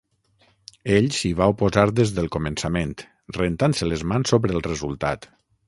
Ell s'hi va oposar des del començament, rentant-se les mans sobre el resultat.